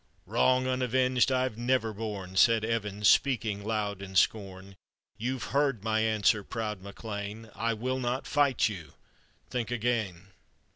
" Wrong unavenged I've never borne," Said Evan, speaking loud in scorn ;" You've heard my answer, proud MacLean. I will not fight you — think again!"